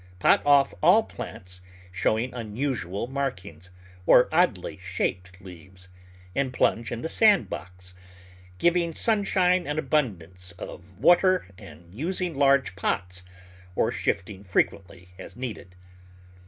Pot off all plants showing unusual markings, or oddly shaped leaves, and plunge in the sand box, giving sunshine and abundance of water and using large pots, or shifting frequently as needed.